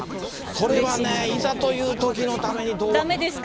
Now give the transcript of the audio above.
それはね、いざというときのために、どうかな。